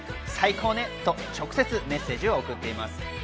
最高ね！と直接メッセージを送っています。